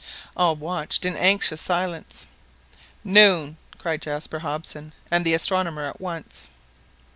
All watched in anxious silence. "Noon!" cried Jaspar Hobson and the astronomer at once.